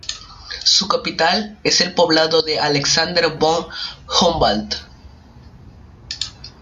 Su capital es el poblado de Alexander von Humboldt.